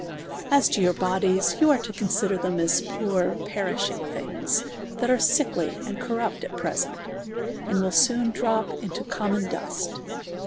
As (o your bodies, you are (o C(>nsider (hem as poor, (perishiuf; thinj;s, (ha( are sickly and corrupt at pre 'Hcn(,and will s«»on droj) into connnon dust.